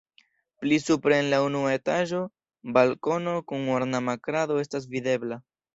Pli supre en la unua etaĝo balkono kun ornama krado estas videbla.